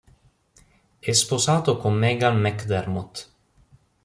È sposato con Meghan McDermott.